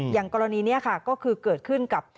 อย่างกรณีนี้ค่ะก็คือเกิดขึ้นกับ